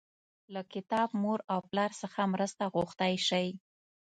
له کتاب، مور او پلار څخه مرسته غوښتی شئ.